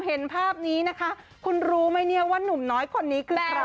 เห็นภาพนี้นะคะคุณรู้ไหมเนี่ยว่านุ่มน้อยคนนี้คือใคร